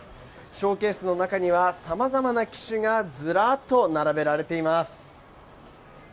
ショーケースの中には様々な機種がずらっと並べられています。